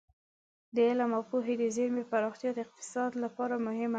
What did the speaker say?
د علم او پوهې د زېرمې پراختیا د اقتصاد لپاره مهمه ده.